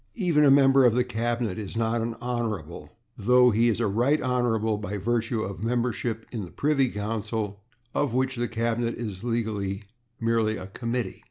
Even a member of the cabinet is not an /Hon./, though he is a /Right Hon./ by virtue of membership in the Privy Council, of which the Cabinet is legally merely a committee.